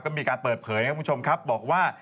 ก็มีการเปิดเผยครับคุณผู้ชมครับบอกว่า